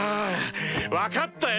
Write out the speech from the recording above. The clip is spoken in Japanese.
分かったよ！